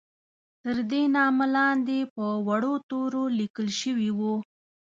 تر دې نامه لاندې په وړو تورو لیکل شوي وو.